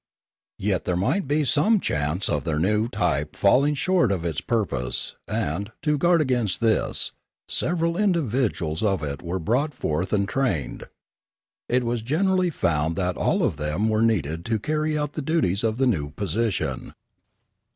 Yet there might be some chance of their new type falling short of its purpose and, to guard against this, several individuals of it were brought forth and trained. It was generally found that all of them were needed to carry out the duties of the new position.